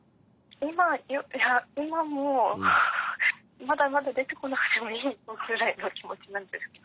今いや今もまだまだ出てこなくてもいいぞぐらいの気持ちなんですけど。